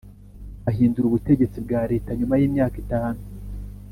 Bahindura ubutegetsi bwa Leta nyuma y’imyaka itanu